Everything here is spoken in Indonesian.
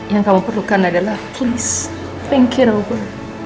yang kamu perlukan adalah please think it over